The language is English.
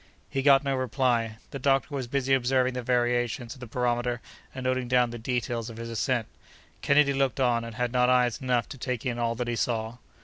He got no reply. The doctor was busy observing the variations of the barometer and noting down the details of his ascent. Kennedy looked on, and had not eyes enough to take in all that he saw.